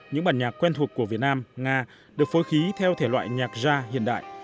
những bản nhạc quen thuộc của việt nam nga được phối khí theo thể loại nhạc gia hiện đại